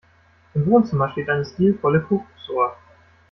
Im Wohnzimmer steht eine stilvolle Kuckucksuhr.